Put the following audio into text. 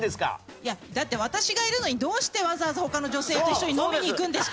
いやだって私がいるのにどうしてわざわざ他の女性と一緒に飲みに行くんですかね？